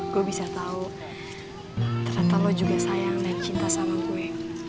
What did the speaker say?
gue bisa tahu tanpa lo juga sayang dan cinta sama gue